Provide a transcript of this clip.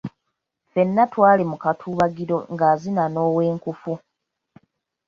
Ffenna twali mu katuubagiro nga azina n'ow'enkufu.